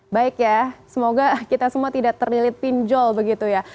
baik ya semoga kita semua tidak terlilit pinjol begitu ya